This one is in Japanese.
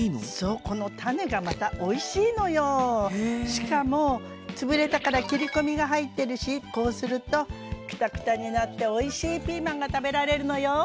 しかもつぶれたから切り込みが入ってるしこうするとくたくたになっておいしいピーマンが食べられるのよ。